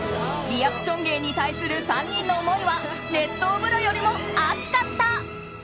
リアクション芸に対する３人の思いは熱湯風呂よりも熱かった。